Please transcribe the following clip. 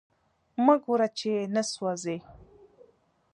مه ګوره چی نه سوازی